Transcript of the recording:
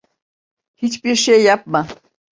Hiçbir şey yapma.